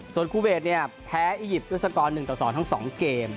ส่วนคูเวทแพ้อียิปต์รุษกร๑๒เกม